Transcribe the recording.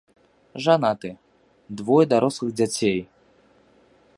Жанаты, двое дарослых дзяцей.